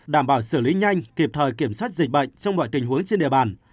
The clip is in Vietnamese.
đảm bảo xử lý nhanh kịp thời kiểm soát dịch bệnh trong mọi tình huống trên địa bàn